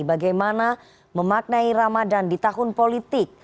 bagaimana memaknai ramadan di tahun politik